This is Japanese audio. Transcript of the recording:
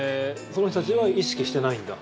その人たちは意識してないんだ。